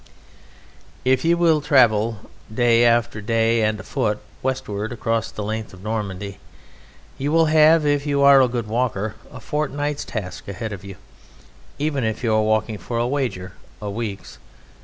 If you will travel day after day, and afoot, westward across the length of Normandy, you will have, if you are a good walker, a fortnight's task ahead of you; even if you are walking for a wager, a week's.